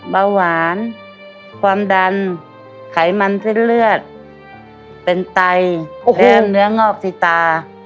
เบาหวานความดันไขมันเส้นเลือดเป็นไตและเนื้องอกที่ตา